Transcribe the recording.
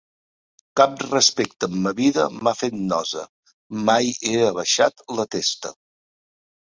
Cap respecte en ma vida m’ha fet nosa, mai he abaixat la testa.